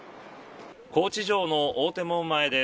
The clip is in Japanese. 高知城の大手門前です。